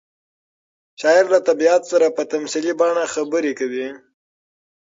شاعر له طبیعت سره په تمثیلي بڼه خبرې کوي.